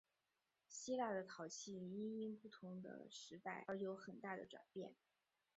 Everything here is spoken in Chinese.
希腊的陶器因应不同时代而有很大的转变。